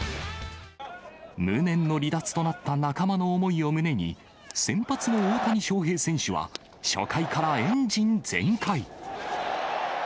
無念の離脱となった仲間の思いを胸に、先発の大谷翔平選手は、初回からエンジン全開。